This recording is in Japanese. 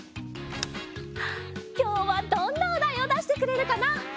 きょうはどんなおだいをだしてくれるかな？